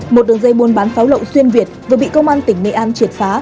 một đường dây buôn bán pháo lậu xuyên việt vừa bị công an tỉnh nghệ an triệt phá